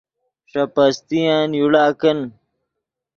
ݰے پستین یوڑا کن